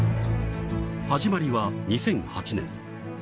始まりは２００８年